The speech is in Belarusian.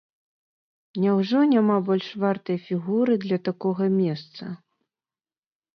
Няўжо няма больш вартай фігуры для такога месца?